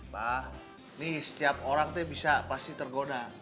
pak nih setiap orang te bisa pasti tergoda